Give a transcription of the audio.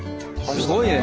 すごいね。